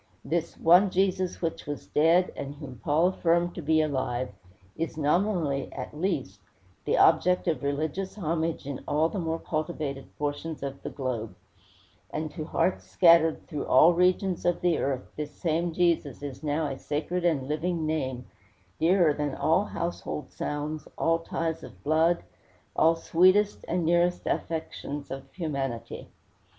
This "one Jesus which was dead, and whom Paul affirmed to be alive," is nominally, at least, the object of religious homage in all the more cultivated portions of the globe; and to hearts scattered through all regions of the earth this same Jesus is now a sacred and living name, dearer than all household sounds, all ties of blood, all sweetest and nearest affections of humanity.